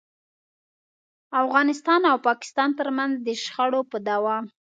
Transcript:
افغانستان او پاکستان ترمنځ د شخړو په دوام.